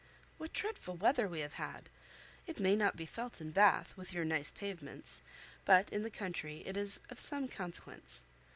What dreadful weather we have had! It may not be felt in Bath, with your nice pavements; but in the country it is of some consequence.